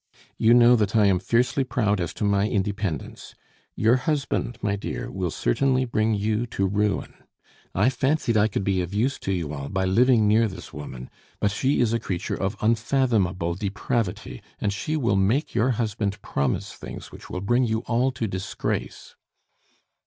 You know that I am fiercely proud as to my independence. Your husband, my dear, will certainly bring you to ruin. I fancied I could be of use to you all by living near this woman, but she is a creature of unfathomable depravity, and she will make your husband promise things which will bring you all to disgrace."